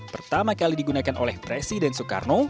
pertama kali digunakan oleh presiden soekarno